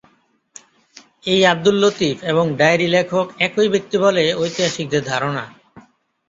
এই আবদুল লতীফ এবং ডায়েরি লেখক একই ব্যক্তি বলে ঐতিহাসিকদের ধারণা।